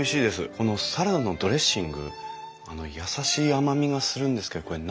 このサラダのドレッシング優しい甘みがするんですけどこれ何が入ってるんですかね？